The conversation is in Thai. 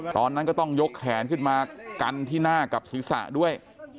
ตอนนั้นก็ต้องยกแขนขึ้นมากันที่หน้ากับศีรษะด้วย